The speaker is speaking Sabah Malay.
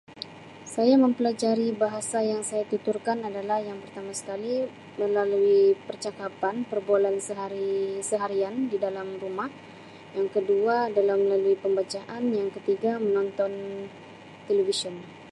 Saya mempelajari bahasa yang saya tuturkan adalah yang pertama sekali melalui percakapan, perbualan sehari-seharian di dalam rumah. Yang kedua adalah melalui pembacaan. Yang ketiga menonton televisyen.